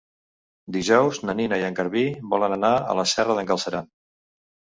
Dijous na Nina i en Garbí volen anar a la Serra d'en Galceran.